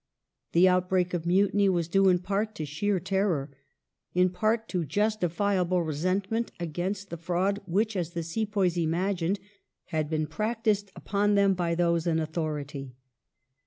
The outbreak of mutiny was due in part to sheer terror; in part to justifiable resentment against the fraud which, as the sepoys imagined, had been practised upon them by those in authority.